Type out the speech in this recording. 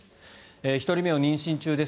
１人目を妊娠中です。